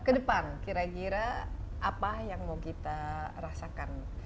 kedepan kira kira apa yang mau kita rasakan